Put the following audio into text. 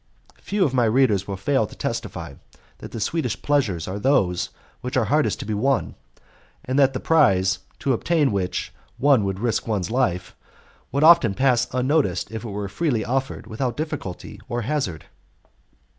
Few of my readers will fail to testify that the sweetest pleasures are those which are hardest to be won, and that the prize, to obtain which one would risk one's life, would often pass unnoticed if it were freely offered without difficulty or hazard.